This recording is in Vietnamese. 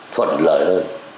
thuận lợi hơn